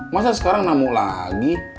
masa sekarang namu lagi